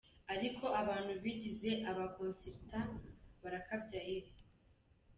Ariko abantu bigize aba consultants barakabya yeee.